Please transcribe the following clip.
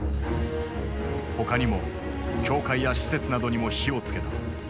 他にも教会や施設などにも火を付けた。